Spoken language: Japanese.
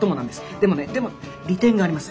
でもねでも利点があります。